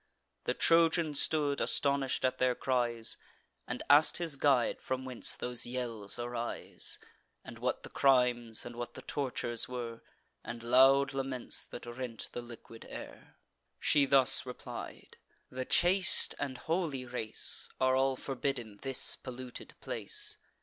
The Trojan stood astonish'd at their cries, And ask'd his guide from whence those yells arise; And what the crimes, and what the tortures were, And loud laments that rent the liquid air. She thus replied: "The chaste and holy race Are all forbidden this polluted place.